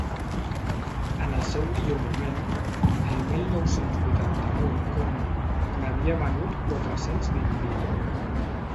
En el seu millor moment, el mil nou-cents vuitanta-nou coma n’havia venut quatre-cents vint mil.